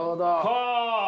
はあ。